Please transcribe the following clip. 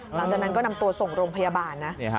หลังจากนั้นก็นำตัวส่งโรงพยาบาลนะ